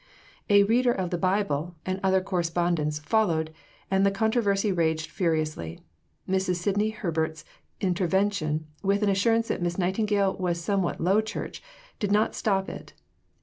"A Reader of the Bible" and other correspondents followed, and the controversy raged furiously. Mrs. Sidney Herbert's intervention, with an assurance that Miss Nightingale was somewhat Low Church, did not stop it.